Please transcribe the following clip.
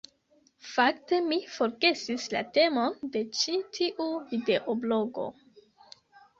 Fakte mi forgesis la temon de ĉi tiu videoblogo.